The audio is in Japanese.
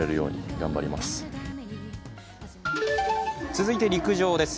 続いて陸上です。